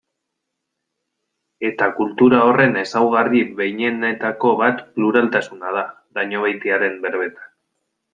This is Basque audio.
Eta kultura horren ezaugarri behinenetako bat pluraltasuna da, Dañobeitiaren berbetan.